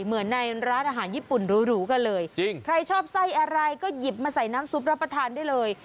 เหมือนในร้านอาหารญี่ปุ่นหรูกันเลยจริงใครชอบไส้อะไรก็หยิบมาใส่น้ำซุปรับประทานได้เลย